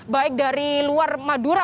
baik dari luar madura